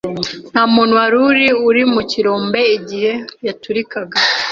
Nta muntu wari uri mu kirombe igihe yaturikaga.